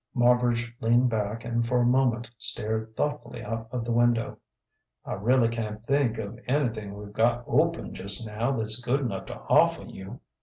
Marbridge leaned back and for a moment stared thoughtfully out of the window. "I really can't think of anything we've got open just now that's good enough to offer you."